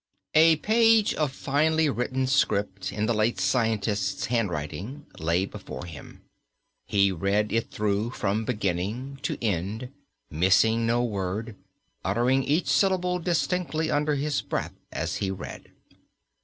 A page of finely written script in the late scientist's handwriting lay before him. He read it through from beginning to end, missing no word, uttering each syllable distinctly under his breath as he read.